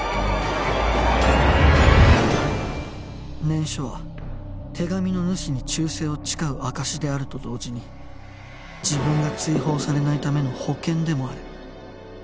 念書は手紙の主に忠誠を誓う証しであると同時に自分が追放されないための保険でもある